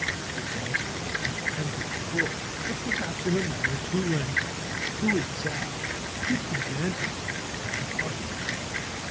This also has been attempted before, but perhaps in a manner too lengthy, too exact, too pedantic to be popular.